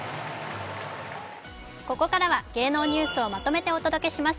ここからは芸能ニュースをまとめてお届けします。